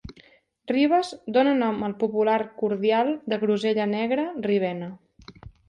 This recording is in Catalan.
"Ribes" dona nom al popular cordial de grosella negra Ribena.